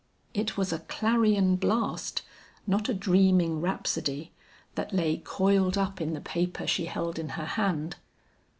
It was a clarion blast, not a dreaming rhapsody, that lay coiled up in the paper she held in her hand.